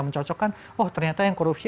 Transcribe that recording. mencocokkan oh ternyata yang korupsi